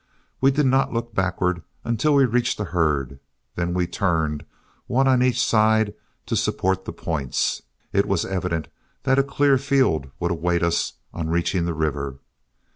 We did not look backward until we reached the herd; then as we turned, one on each side to support the points, it was evident that a clear field would await us on reaching the river.